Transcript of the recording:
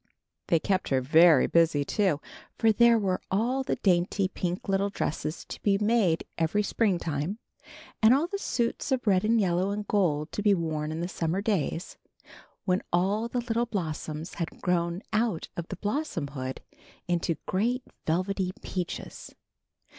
They kept her very busy, too, for there were all the dainty little pink dresses to be made every Springtime, and all the suits of red and yellow and gold to be worn in the summer days when all the little blossoms had grown out of blossomhood into great velvety peaches.